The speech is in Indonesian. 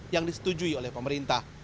yang disetujui oleh pemerintah